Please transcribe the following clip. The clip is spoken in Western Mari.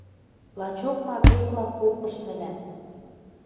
Лачок ма Векла попыш мӹлӓм